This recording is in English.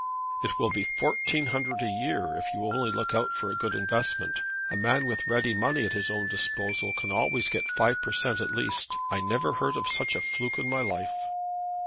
"It will be fourteen hundred a year, if you only look out for a good investment. A man with ready money at his own disposal can always get five per cent, at least. I never heard of such a fluke in my life."